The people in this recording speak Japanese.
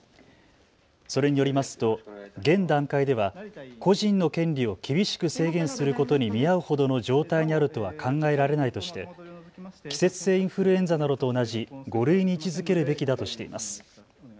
それによりますと現段階では個人の権利を厳しく制限することに見合うほどの状態にあるとは考えられないとして季節性インフルエンザなどと同じ５類に位置づけるべきだとしています。